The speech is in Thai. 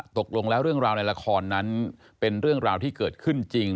ตกลงแล้วเรื่องราวในละครนั้นเป็นเรื่องราวที่เกิดขึ้นจริง